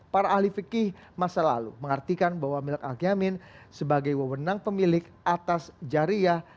para ahli fikih masa lalu mengartikan bahwa milk al yamin sebagai wawenang pemilik atas jariah